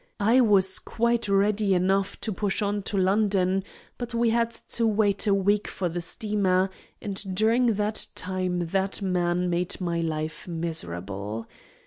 I was quite ready enough to push on to London, but we had to wait a week for the steamer, and during that time that man made my life miserable.